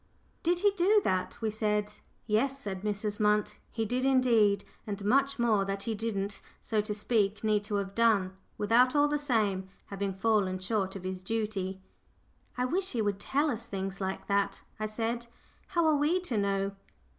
"Did he do that?" we said. "Yes," said Mrs. Munt, "he did indeed; and much more that he didn't, so to speak, need to have done without, all the same, having fallen short of his duty." "I wish he would tell us things like that," I said. "How are we to know?"